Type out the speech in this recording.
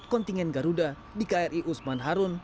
kontingen garuda di kri usman harun